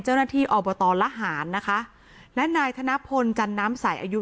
เจ้าหน้าที่อบตละหารนะคะและนายธนพลจันน้ำใสอายุ